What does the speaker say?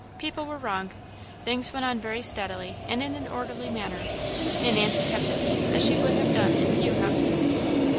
People were wrong. Things went on very steadily, and in an orderly manner; and Nancy kept the peace as she would have done in few houses.